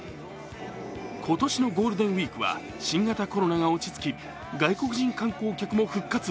今年のゴールデンウイークは新型コロナが落ち着き外国人観光客も復活。